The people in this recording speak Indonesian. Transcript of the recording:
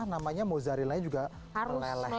namanya mozarellanya juga meleleh